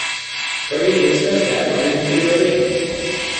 Pray dismiss that from your consideration.